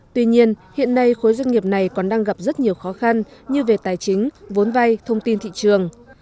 tuy nhiên hiện nay khối doanh nghiệp này còn đang gặp rất nhiều khó khăn như về tài chính vốn vay thông tin thị trường